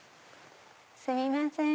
すみません。